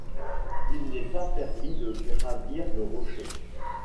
Il n'est pas permis de gravir le rocher.